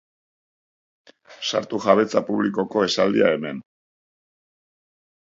Sartu jabetza publikoko esaldia hemen